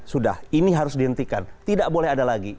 sudah ini harus dihentikan tidak boleh ada lagi